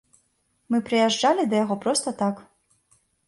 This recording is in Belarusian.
Мы прыязджалі да яго проста так.